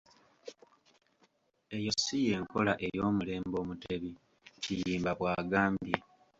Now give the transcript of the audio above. "Eyo ssi yenkola ey'omulembe Omutebi,” Kiyimba bwagambye.